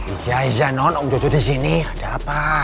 iya iya non om jojo di sini ada apa